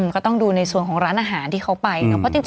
ก็ต้องดูในส่วนของร้านอาหารที่เขาไปเนาะ